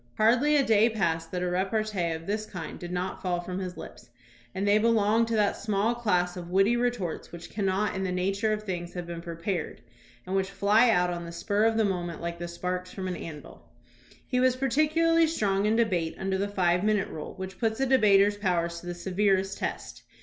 Hardly a day passed that a repartee of this kind did not fall from his lips, and they belonged to that small class of witty retorts which cannot in the nature of things have been prepared and which fly out on the spur of the moment like the sparks from an anvil. He was particularly strong in debate under the five minute rule, which puts a debater's powers to the severest test.